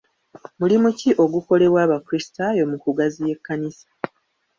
Mulimu ki ogukolebwa abakrisitaayo mu kugaziya ekkanisa?